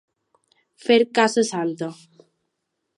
Fer casa santa.